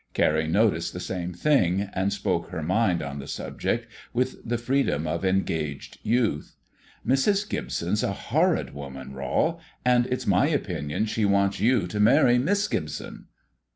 Carrie noticed the same thing, and spoke her mind on the subject with the freedom of engaged youth. "Mrs. Gibson's a horrid woman, Rol, and it's my opinion she wants you to marry Miss Gibson."